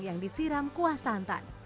yang disiram kuah santan